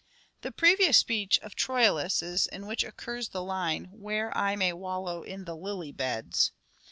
The previous speech of Troilus's in which occurs oth r the line : 1 ' Where I may wallow in the lily beds.'